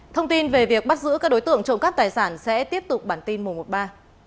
thông tin về việc bắt giữ các đối tượng trộm cắp tài sản sẽ tiếp tục bản tin mùa một mươi ba